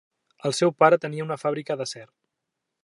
El seu pare tenia una fàbrica d'acer.